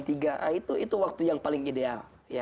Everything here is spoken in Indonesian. nah itu waktu yang paling ideal